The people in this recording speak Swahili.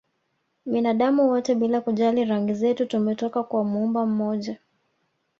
Binadamu wote bila kujali rangi zetu tumetoka kwa Muumba mmoja